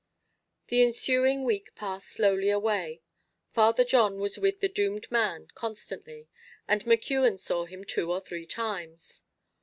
The ensuing week passed slowly away. Father John was with the doomed man constantly, and McKeon saw him two or three times.